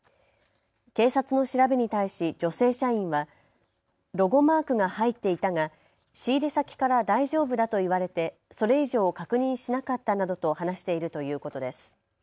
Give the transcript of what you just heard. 警察の調べに対し女性社員はロゴマークが入っていたが仕入れ先から大丈夫だと言われてそれ以上、確認しなかったなどと話しているということです。